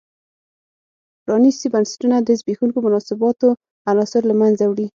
پرانیستي بنسټونه د زبېښونکو مناسباتو عناصر له منځه وړي.